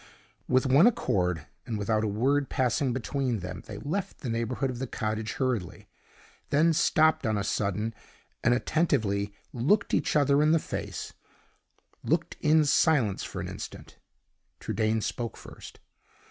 With one accord, and without a word passing between them, they left the neighborhood of the cottage hurriedly; then stopped on a sudden, and attentively looked each other in the face looked in silence for an instant. Trudaine spoke first.